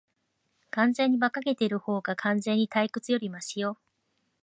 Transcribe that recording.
完全に馬鹿げているほうが、完全に退屈よりマシよ。